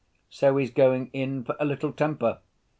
'So he's going in for a little temper.